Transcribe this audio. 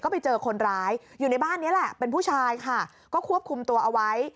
ไปเจอคนร้ายอยู่ในบ้านนี้แหละเป็นผู้ชายค่ะก็ควบคุมตัวเอาไว้